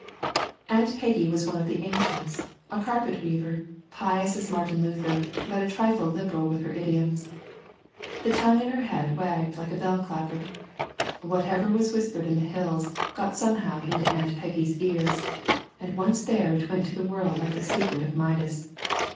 Aunt Peggy was one of the ancients, a carpet weaver, pious as Martin Luther, but a trifle liberal with her idioms. The tongue in her head wagged like a bell clapper. Whatever was whispered in the Hills got somehow into Aunt Peggy's ears, and once there it went to the world like the secret of Midas.